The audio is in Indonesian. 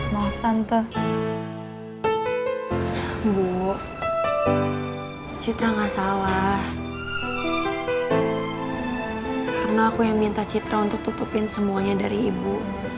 maaf tante bu citra enggak salah karena aku yang minta citra untuk tutupin semuanya dari ibu